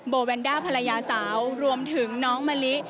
แวนด้าภรรยาสาวรวมถึงน้องมะลิ